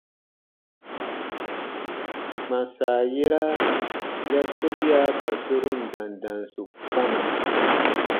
Kpãsa yera ya sobia ka sorun dandansu kpana.